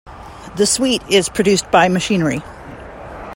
The sweet is produced by machinery.